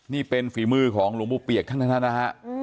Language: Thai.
นี่เป็นฝีมือของลงปู่เปียกทั้งนะครับ